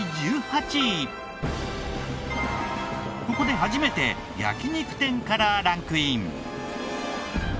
ここで初めて焼肉店からランクイン。